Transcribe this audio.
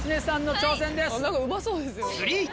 何かうまそうですよ。